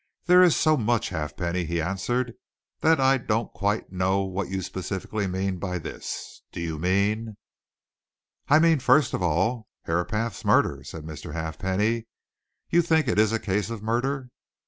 "There is so much, Halfpenny," he answered, "that I don't quite know what you specifically mean by this. Do you mean " "I mean, first of all, Herapath's murder," said Mr. Halfpenny. "You think it is a case of murder?"